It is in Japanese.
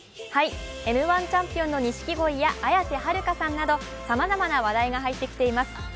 チャンピオンの錦鯉や綾瀬はるかさんなどさまざまな話題が入ってきています。